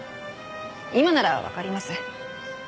今ならわかります。